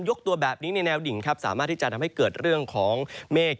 ยกตัวแบบนี้ในแนวดิ่งสามารถที่จะเดินไปเดินของเมฆ